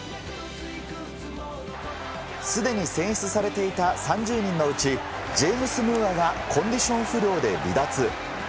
すでに選出されていた３０人のうちジェームス・ムーアがコンディション不良で離脱。